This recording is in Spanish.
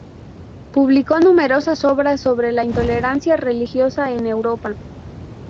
Publicó numerosas obras sobre la intolerancia religiosa en Europa.